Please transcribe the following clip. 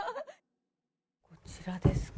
こちらですか？